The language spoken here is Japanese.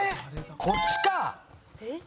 こっちか。